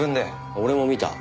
俺も見た。